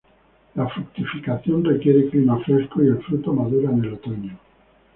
La fructificación requiere clima fresco y el fruto madura en otoño.